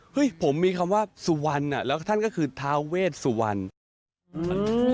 ผมมีคำว่าสุวรรณแล้วท่านก็คือทาเวชสุวรรณ